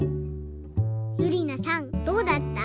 ゆりなさんどうだった？